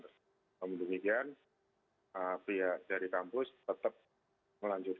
kemudian pihak dari kampus tetap melanjutkan